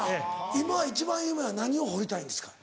今は一番夢は何を彫りたいんですか？